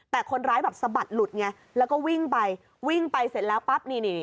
แต่คนร้ายแบบสะบัดหลุดไงแล้วก็วิ่งไปวิ่งไปเสร็จแล้วปั๊บนี่นี่